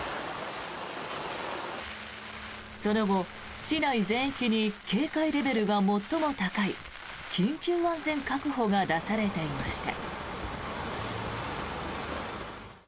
その後、市内全域に警戒レベルが最も高い緊急安全確保が出されていました。